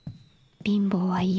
貧乏は嫌。